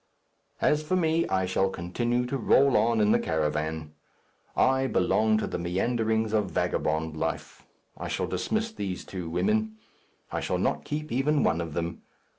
As for me, I shall continue to roll on in the caravan. I belong to the meanderings of vagabond life. I shall dismiss these two women. I shall not keep even one of them.